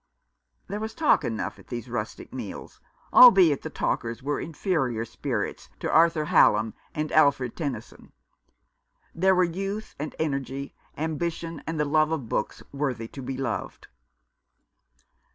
There was talk enough at these rustic meals, albeit the talkers were inferior spirits to Arthur Hallam and Alfred Tennyson. There were youth and energy, ambition, and the love of books worthy to be loved.